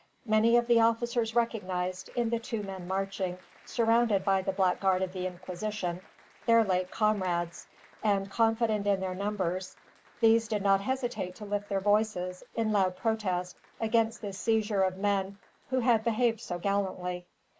Many of the soldiers recognized, in the two men marching, surrounded by the black guard of the Inquisition, their late comrades; and, confident in their numbers, these did not hesitate to lift their voices, in loud protest, against this seizure of men who had behaved so gallantly.